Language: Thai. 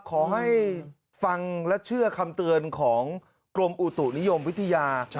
ขอให้ฟังและเชื่อคำเตือนของกรมอุตุนิยมวิทยา